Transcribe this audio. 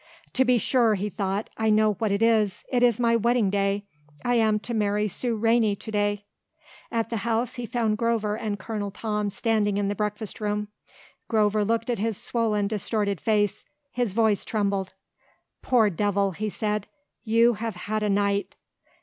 "To be sure," he thought, "I know what it is, it is my wedding day. I am to marry Sue Rainey to day." At the house he found Grover and Colonel Tom standing in the breakfast room. Grover looked at his swollen, distorted face. His voice trembled. "Poor devil!" he said. "You have had a night!"